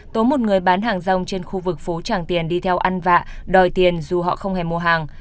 có một người bán hàng rong trên khu vực phố tràng tiền đi theo ăn vạ đòi tiền dù họ không hề mua hàng